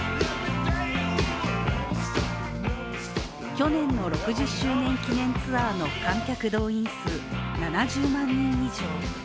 去年の６０周年記念ツアーの観客動員数７０万人以上。